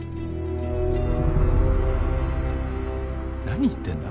何言ってんだ？